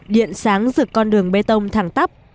điện sáng giữa con đường bê tông thẳng tắp